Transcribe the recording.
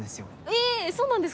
えぇそうなんですか？